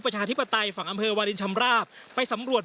ประชาธิปไตยฝั่งอำเภอวาลินชำราบไปสำรวจ